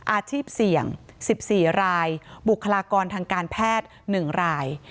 อาชีพเสี่ยง๑๔รายบุคลากรทางการแพทย์๑ราย